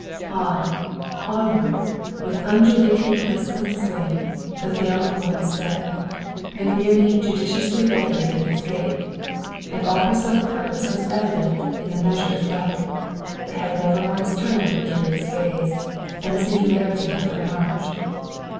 On, onward, with undulating lissom swing, the veiled woman sped, McNerney judiciously regulating his gait. And all her settled purpose was evident in the measured flight, the head never once turned in curious gaze, and the singularity of her march.